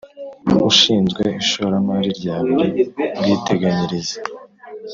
Ushinzwe ishoramari rya buri bwiteganyirize